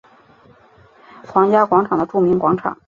皇家广场的著名广场。